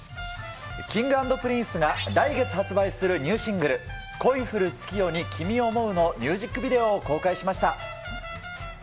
Ｋｉｎｇ＆Ｐｒｉｎｃｅが、来月発売するニューシングル、恋降る月夜に君想ふのミュージックビデオを公開しました。